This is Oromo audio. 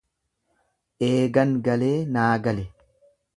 Eegan galee naa gale.